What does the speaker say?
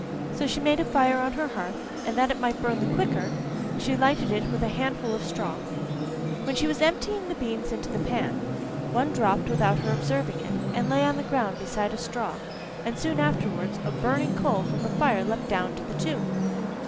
So she made a fire on her hearth, and that it might burn the quicker, she lighted it with a handful of straw. When she was emptying the beans into the pan, one dropped without her observing it, and lay on the ground beside a straw, and soon afterwards a burning coal from the fire leapt down to the two.